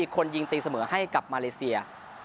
คนยิงตีเสมอให้กับมาเลเซีย